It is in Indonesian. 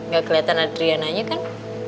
gak keliatan adriana nya kan